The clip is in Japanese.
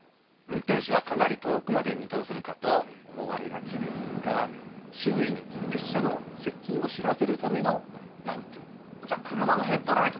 運転手がかなり遠くまで見通せるかと思われがちですが周囲に列車の接近を知らせるためのランプ。